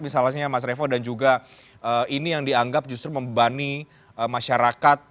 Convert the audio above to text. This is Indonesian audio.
misalnya mas revo dan juga ini yang dianggap justru membebani masyarakat